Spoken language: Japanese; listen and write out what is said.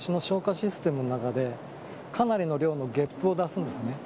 システムの中で、かなりの量のゲップを出すんですね。